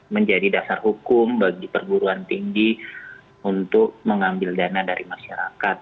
menjadi dasar hukum bagi perguruan tinggi untuk mengambil dana dari masyarakat